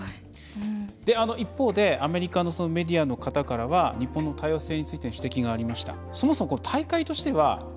一方でアメリカのメディアの方からは日本の多様性についての指摘がありました。